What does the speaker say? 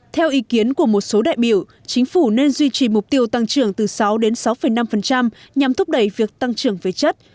theo ý kiến của một số đại biểu chính phủ nên duy trì mục tiêu tăng trưởng từ sáu đến sáu năm nhằm thúc đẩy việc tăng trưởng về chất